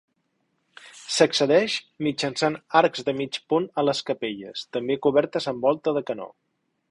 S'accedeix mitjançant arcs de mig punt a les capelles, també cobertes amb volta de canó.